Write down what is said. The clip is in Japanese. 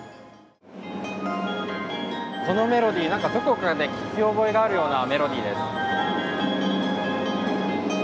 このメロディー、なんかどこかで聞き覚えがあるようなメロディーです。